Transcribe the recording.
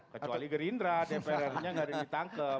kecuali gerindra dprr nya gak ada yang ditangkep